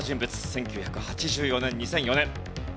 １９８４年２００４年。